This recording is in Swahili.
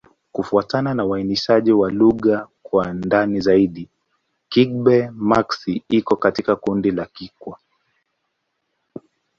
Kufuatana na uainishaji wa lugha kwa ndani zaidi, Kigbe-Maxi iko katika kundi la Kikwa.